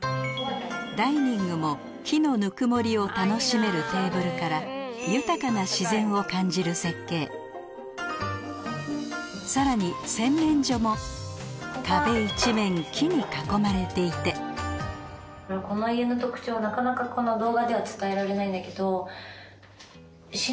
ダイニングも木のぬくもりを楽しめるテーブルから豊かな自然を感じる設計さらに洗面所も壁一面木に囲まれていてこの家の特徴はなかなかこの動画では伝えられないんだけど。